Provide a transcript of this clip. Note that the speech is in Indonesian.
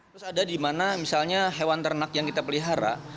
terus ada di mana misalnya hewan ternak yang kita pelihara